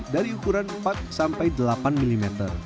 dari ukuran empat sampai delapan mm